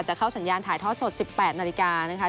จะเข้าสัญญาณถ่ายทอดสดสิบแปดนาฬิกานะคะ